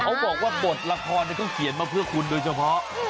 เขาบอกว่าบทละครเขาเขียนมาเพื่อคุณโดยเฉพาะ